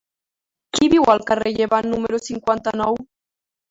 Qui viu al carrer de Llevant número cinquanta-nou?